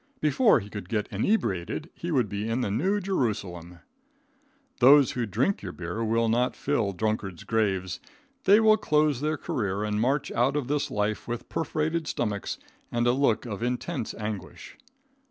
Before he could get inebriated he would be in the New Jerusalem. Those who drink your beer will not fill drunkards' graves. They will close their career and march out of this life with perforated stomachs and a look of intense anguish.